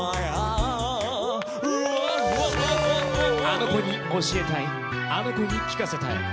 あの子に教えたいあの子に聴かせたい。